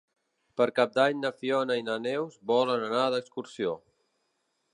Per Cap d'Any na Fiona i na Neus volen anar d'excursió.